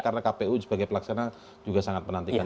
karena kpu sebagai pelaksana juga sangat menantikan